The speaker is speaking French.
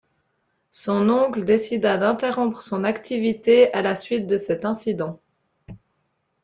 Son oncle décida d'interrompre son activité à la suite de cet incident.